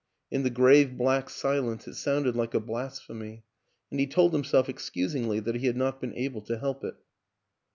In the grave black silence it sounded like a blasphemy, and he told himself excusingly that he had not been able to help it.